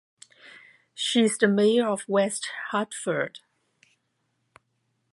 She is the Mayor of West Hartford.